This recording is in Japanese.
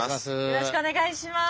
よろしくお願いします。